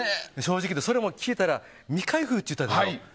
それも、聞いたら未開封って言ってたでしょ。